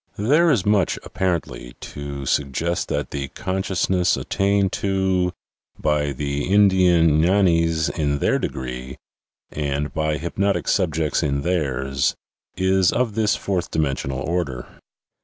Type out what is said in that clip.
There is much, apparently, to suggest that the consciousness at tained to by the Indian gfianis in their degree, and by hypnotic subjects in theirs, is of this fourth dimensional order.